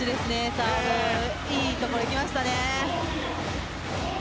サーブいいところいきましたね。